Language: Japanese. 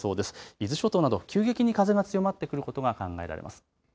伊豆諸島など急激に風が強まってくることが考えられます。